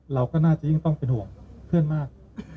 เราก็น่าจะยิ่งต้องเป็นห่วงเพื่อนมาก